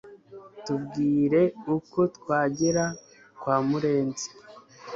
Tubwire uko twagera kwa murenzi